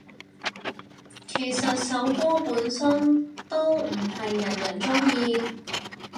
其實首歌本身都唔係人人鍾意